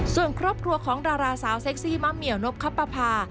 ส่วนครอบครัวของราคำสาวเซ็กซี่มะเหมี่ยนบคับคับภา